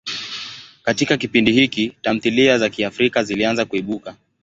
Katika kipindi hiki, tamthilia za Kiafrika zilianza kuibuka.